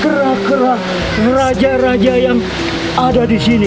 kerak kerak raja raja yang ada di sini